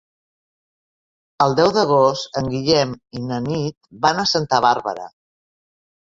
El deu d'agost en Guillem i na Nit van a Santa Bàrbara.